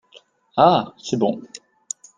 Ah, c'est bon !